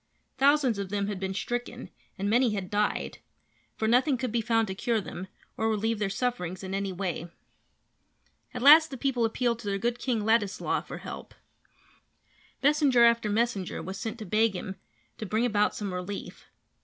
Thousands of them had been stricken and many had died, for nothing could be found to cure them or relieve their sufferings in any way. At last the people appealed to their good King Ladislaw for help. Messenger after messenger was sent to beg him to bring about some relief.